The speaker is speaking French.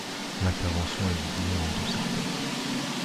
L'intervention est divisée en deux secteurs.